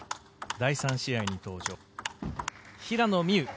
第３試合に登場、平野美宇。